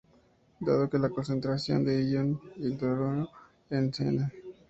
Dado que la concentración de ion hidronio en c.n.